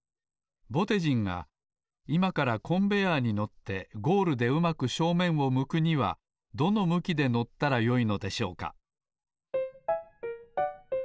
ぼてじんがいまからコンベヤーに乗ってゴールでうまく正面を向くにはどの向きで乗ったらよいのでしょうか？